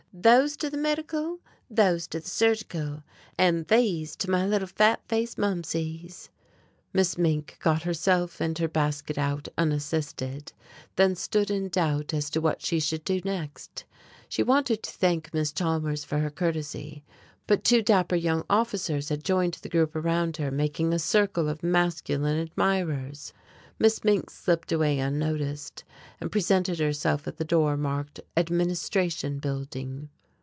"Those to the medical, those to the surgical, and these to my little fat faced Mumpsies." Miss Mink got herself and her basket out unassisted, then stood in doubt as to what she should do next. She wanted to thank Miss Chalmers for her courtesy, but two dapper young officers had joined the group around her making a circle of masculine admirers. Miss Mink slipped away unnoticed and presented herself at the door marked "Administration Building."